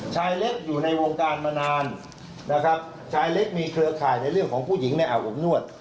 ชายเล็กอยู่ในวงการมานานนะครับชายเล็กมีเครือข่ายในเรื่องของผู้หญิงในอาบอบนวด